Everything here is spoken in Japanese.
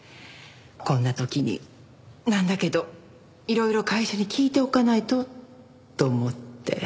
こんな時になんだけどいろいろ会社に聞いておかないとと思って。